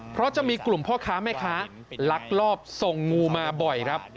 เพราะจะมีกลุ่มพ่อค้าแม่ค้าลักลอบส่งงูมาบ่อยครับ